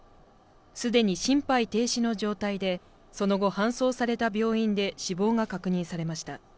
既に心肺停止の状態で、その後、搬送された病院で死亡が確認されました。